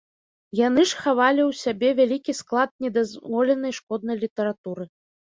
Яны ж хавалі ў сябе вялікі склад недазволенай шкоднай літаратуры.